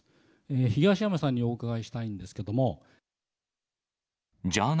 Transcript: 東山さんにお伺いしたいんですけれども。